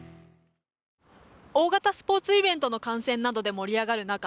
大型スポーツイベントの観戦などで盛り上がる中